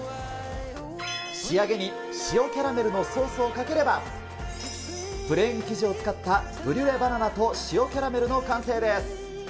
仕上げに塩キャラメルのソースをかければ、プレーン生地を使ったブリュレバナナと塩キャラメルの完成です。